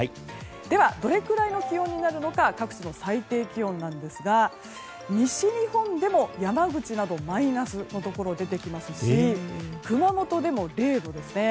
ではどれぐらいの気温になるのか各地の最低気温ですが西日本でも山口などマイナスのところ出てきますし熊本でも０度ですね。